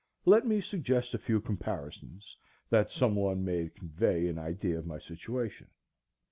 Let me suggest a few comparisons, that some one may convey an idea of my situation.